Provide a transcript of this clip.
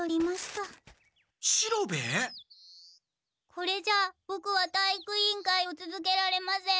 これじゃあボクは体育委員会をつづけられません。